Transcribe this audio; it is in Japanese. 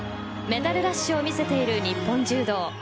メダルラッシュを見せている日本柔道。